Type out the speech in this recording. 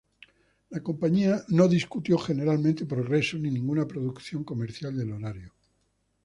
La compañía no discutió generalmente progreso ni ninguna producción comercial del horario.